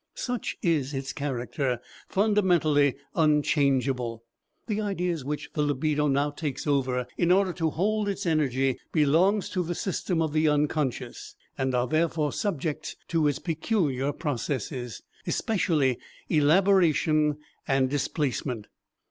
Such is its character, fundamentally unchangeable. The ideas which the libido now takes over in order to hold its energy belong to the system of the unconscious, and are therefore subject to its peculiar processes, especially elaboration and displacement.